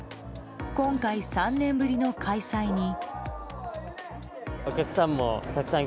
今回、３年ぶりの開催に。